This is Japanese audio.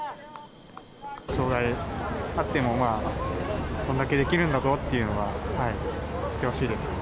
障がいがあっても、これだけできるんだぞっていうのが、知ってほしいですね。